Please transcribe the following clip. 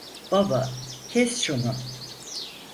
Baba, kes şunu.